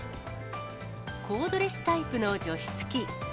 コードレスタイプの除湿器。